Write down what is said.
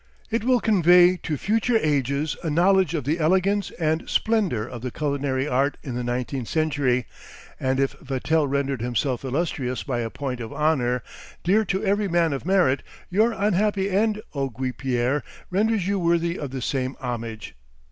It will convey to future ages a knowledge of the elegance and splendor of the culinary art in the nineteenth century; and if Vatel rendered himself illustrious by a point of honor, dear to every man of merit, your unhappy end, O Guipière, renders you worthy of the same homage!